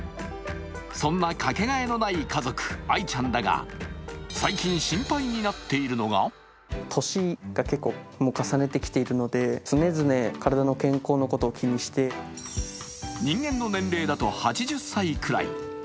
そんなかけがえのない家族、あいちゃんだが最近、心配になっているのが人間の年齢だと８０歳くらい。